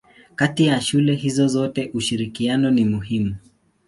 Kati ya shule hizo zote ushirikiano ni muhimu.